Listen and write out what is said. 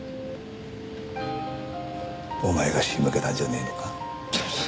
お前が仕向けたんじゃねえのか？